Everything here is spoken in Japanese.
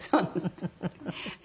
フフフフ。